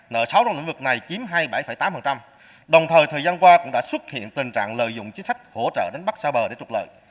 nợ sáu trong lĩnh vực này chiếm hai mươi bảy tám đồng thời thời gian qua cũng đã xuất hiện tình trạng lợi dụng chính sách hỗ trợ đánh bắt xa bờ để trục lợi